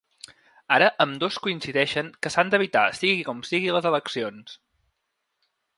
Ara, ambdós coincideixen que s’han d’evitar sigui com sigui les eleccions.